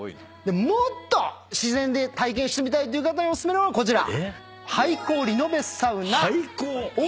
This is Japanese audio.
もーっと自然で体験してみたいという方にお薦めなのがこちら。